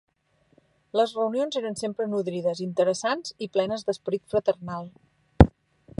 Les reunions eren sempre nodrides, interessants i plenes d'esperit fraternal.